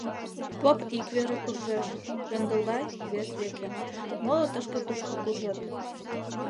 Поп ик вере куржеш, Менгылбай — вес веке, моло тышке-тушко куржыт.